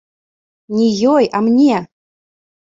Не ёй, а мне!